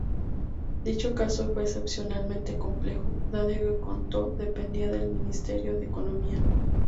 Dicho caso fue especialmente complejo, dado que Corfo dependía del ministerio de Economía.